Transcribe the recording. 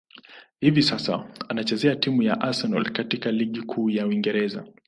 Hivi sasa, anachezea timu ya Arsenal katika ligi kuu ya Uingereza.